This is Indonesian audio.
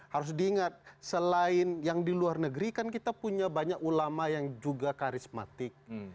harus diingat selain yang di luar negeri kan kita punya banyak ulama yang juga karismatik